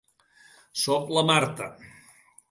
Soc la Marta.